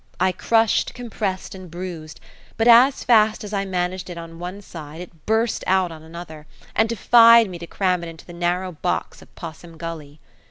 I crushed, compressed, and bruised, but as fast as I managed it on one side it burst out on another, and defied me to cram it into the narrow box of Possum Gully.